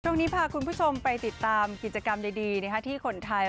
ช่วงนี้พาคุณผู้ชมไปติดตามกิจกรรมดีที่คนไทย